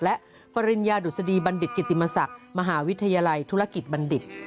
และปริญญาดุษฎีบัณฑิตกิติมศักดิ์มหาวิทยาลัยธุรกิจบัณฑิต